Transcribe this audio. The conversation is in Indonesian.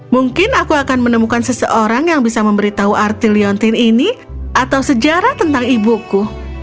mungkin aku akan menemukan seseorang yang bisa memberitahu arti liontin ini atau sejarah tentang ibuku